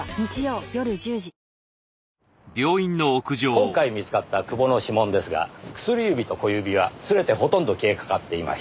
今回見つかった久保の指紋ですが薬指と小指は擦れてほとんど消えかかっていました。